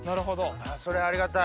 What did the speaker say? それはありがたい。